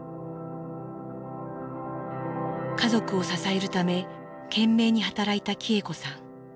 家族を支えるため懸命に働いた喜恵子さん。